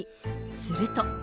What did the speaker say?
すると。